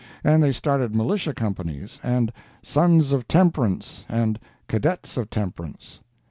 And they started militia companies, and Sons of Temperance and Cadets of Temperance.